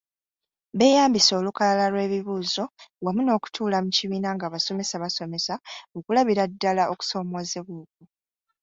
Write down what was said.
Beeyambisa olukalala lw’ebibuuzo wamu n’okutuula mu kibiina ng’abasomesa basomesa okulabira ddala okusomoozebwa okwo.